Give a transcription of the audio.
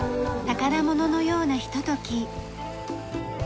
宝物のようなひととき。